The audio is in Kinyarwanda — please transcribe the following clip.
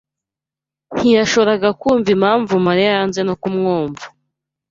ntiyashoboraga kumva impamvu Mariya yanze no kumwumva.